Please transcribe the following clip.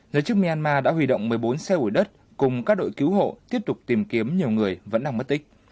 giới chức myanmar đã huy động một mươi bốn xe ủi đất cùng các đội cứu hộ tiếp tục tìm kiếm nhiều người vẫn đang mất tích